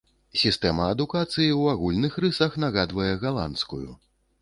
Сістэма адукацыі ў агульных рысах нагадвае галандскую.